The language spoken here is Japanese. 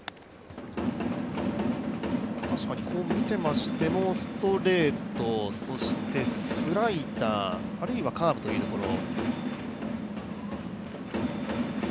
確かに見ていましても、ストレートスライダー、あるいはカーブというところ。